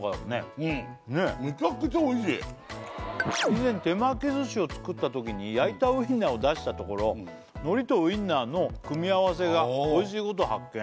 以前手巻き寿司を作ったときに焼いたウインナーを出したところのりとウインナーの組み合わせがおいしいことを発見